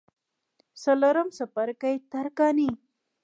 څلورم څپرکی: ترکاڼي